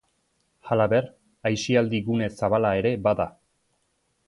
Halaber, aisialdi gune zabala ere bada.